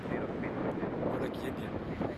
Voilà qui est bien